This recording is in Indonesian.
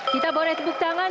kita bawalah tepuk tangan